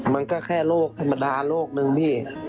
มันก็แค่โรคธรรมดาโรคนึงพี่